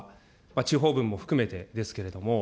地方分を含めてですけれども。